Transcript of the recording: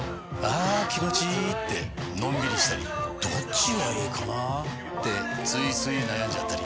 あ気持ちいいってのんびりしたりどっちがいいかなってついつい悩んじゃったり。